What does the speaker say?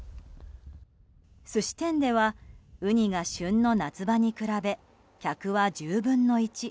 寿司店ではウニが旬の夏場に比べ客は１０分の１。